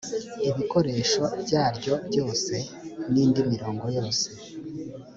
ibikoresho byaryo byose n’indi mirimog yose